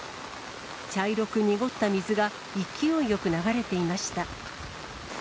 茶色く濁った水が勢いよく流れていました。